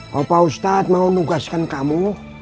bapak ustadz mau nugaskan kamu